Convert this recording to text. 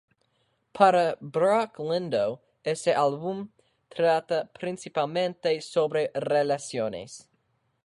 Para Brock Lindow este álbum trata "principalmente sobre relaciones".